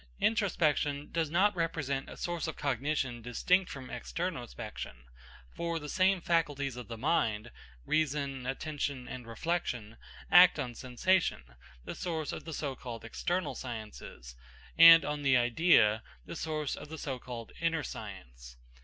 Introspection does not represent a source of cognition distinct from externospection, for the same faculties of the mind reason, attention, and reflection act on sensation, the source of the so called external sciences, and on the idea, the source of the so called inner science.